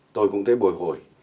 tôi cũng thấy bồi hồi